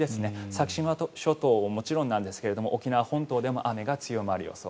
先島諸島もちろんなんですが沖縄本島でも雨が強まる予想。